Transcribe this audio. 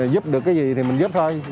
giúp được cái gì thì mình giúp thôi